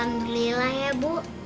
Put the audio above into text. alhamdulillah ya bu